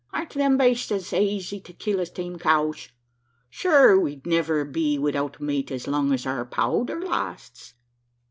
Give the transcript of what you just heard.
Aren't them bastes as aizy to kill as tame cows? Shure we'd niver be widout mate as long as our powder lasts?"